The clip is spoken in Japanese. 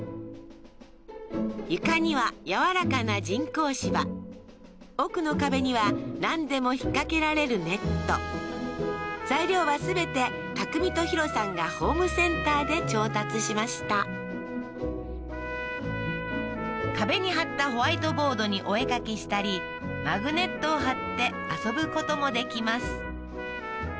床には軟らかな人工芝奥の壁にはなんでも引っかけられるネット材料は全て匠とヒロさんがホームセンターで調達しました壁に貼ったホワイトボードにお絵描きしたりマグネットを貼って遊ぶこともできます